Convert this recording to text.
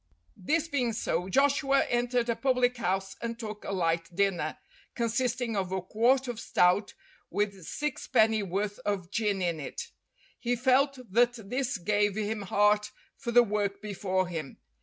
This being so, Joshua entered a public house and took a light dinner, consisting of a quart of stout with sixpenny worth of gin in it. He felt that this gave him heart for the work before him.